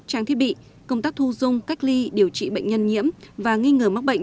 trang thiết bị công tác thu dung cách ly điều trị bệnh nhân nhiễm và nghi ngờ mắc bệnh